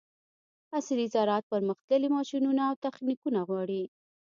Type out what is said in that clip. عصري زراعت پرمختللي ماشینونه او تخنیکونه غواړي.